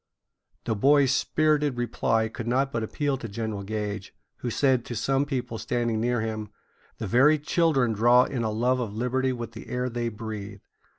The boys' spirited reply could not but appeal to General Gage, who said to some people standing near him: "The very children draw in a love of liberty with the air they breathe."